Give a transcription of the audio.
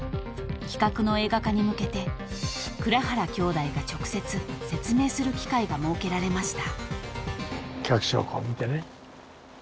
［企画の映画化に向けて蔵原兄弟が直接説明する機会が設けられました］